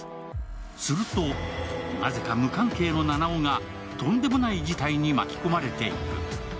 するとなぜか無関係の七尾がとんでもない事態に巻き込まれていく。